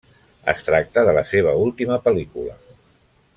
Es tracta de la seva última pel·lícula.